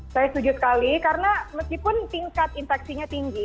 saya setuju sekali karena meskipun tingkat infeksinya tinggi